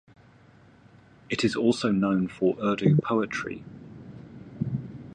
It is also known for Urdu poetry.